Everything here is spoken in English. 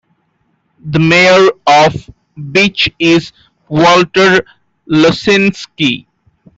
The mayor of Beach is Walter Losinski.